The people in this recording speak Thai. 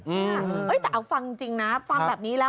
นี่อย่างไปหาพอฟังจริงฟังแบบนี้แล้ว